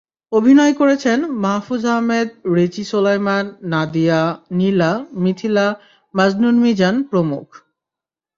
অভিনয় করেছেন মাহফুজ আহমেদ, রিচি সোলায়মান, নাদিয়া, নিলা, মিথিলা, মাজনুন মিজান প্রমুখ।